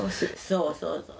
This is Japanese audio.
そうそうそう。